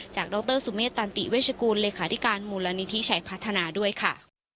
ดรสุเมษตันติเวชกูลเลขาธิการมูลนิธิชัยพัฒนาด้วยค่ะ